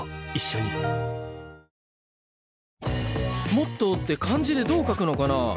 「モットー」って漢字でどう書くのかな？